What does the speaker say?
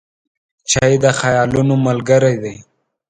چای د خیالونو ملګری دی.